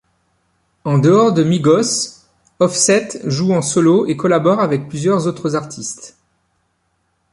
En dehors de Migos, Offset joue en solo et collabore avec plusieurs autres artistes.